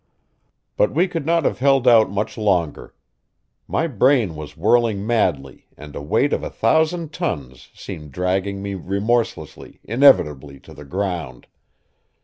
But we could not have held out much longer. My brain was whirling madly and a weight of a thousand tons seemed dragging me remorselessly, inevitably to the ground.